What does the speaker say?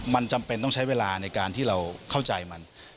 มันจำเป็นต้องใช้เวลาในการที่เราเข้าใจมัน